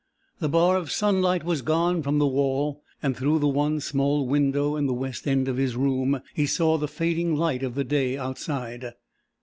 The bar of sunlight was gone from the wall, and through the one small window in the west end of his room he saw the fading light of day outside.